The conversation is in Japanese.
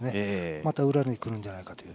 また裏にくるんじゃないかという。